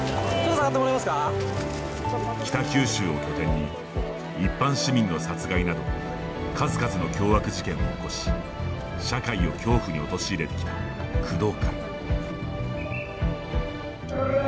北九州を拠点に一般市民の殺害など数々の凶悪事件を起こし社会を恐怖に陥れてきた工藤会。